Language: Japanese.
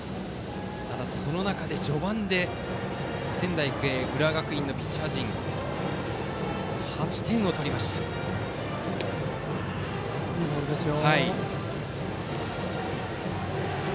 ただ、その中で序盤で仙台育英が浦和学院のピッチャー陣からいいボールですよ。